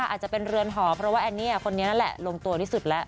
อาจจะเป็นเรือนหอเพราะว่าแอนเนี่ยคนนี้นั่นแหละลงตัวที่สุดแล้ว